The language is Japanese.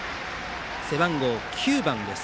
背番号９番です。